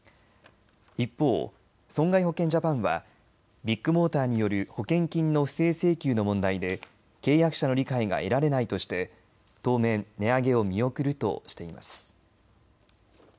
一方、損害保険ジャパンはビッグモーターによる保険金の不正請求の問題で契約者の理解が得られないとして当面、値上げを見送るとしています。